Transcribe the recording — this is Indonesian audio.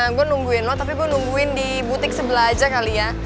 nah gue nungguin lo tapi gue nungguin di butik sebelah aja kali ya